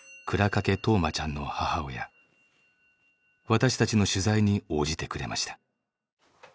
私たちの取材に応じてくれました。